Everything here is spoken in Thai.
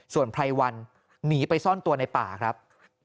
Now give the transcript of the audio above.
ส่วนไพรวันหนีไปซ่อนตัวในป่าครับ